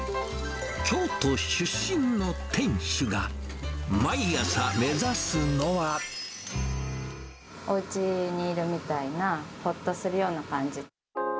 京都出身の店主が、おうちにいるみたいな、ほっとするような感じ。